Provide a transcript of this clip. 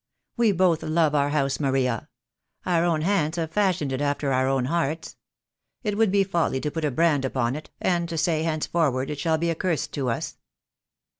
'We both love our house, Maria. Our own hands have fashioned it after our own hearts. It would be folly to put a brand upon it, and to say henceforward it shall be accursed to us.